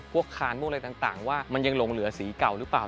คานพวกอะไรต่างว่ามันยังหลงเหลือสีเก่าหรือเปล่า